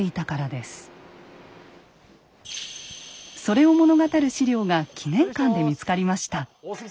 それを物語る資料が記念館で見つかりました。